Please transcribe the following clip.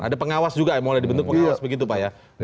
ada pengawas juga ya mulai dibentuk pengawas begitu pak ya